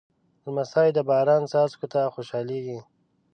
لمسی د باران څاڅکو ته خوشحالېږي.